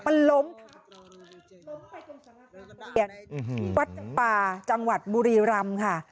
ล้มไปกันสาราการประเรียนวัดป่าจังหวัดบุรีรำค่ะ